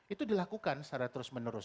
itu dilakukan secara terus menerus